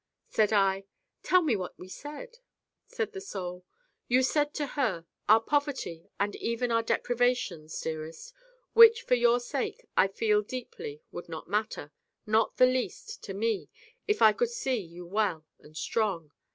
Said I: 'Tell me what we said.' Said the Soul: 'You said to her, "Our poverty and even our deprivations, dearest, which for your sake I feel deeply would not matter, not the least, to me if I could see you well and strong."